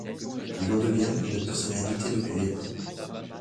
Il en devient une personnalité de premier plan.